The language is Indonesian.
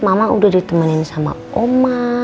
mama udah ditemenin sama oma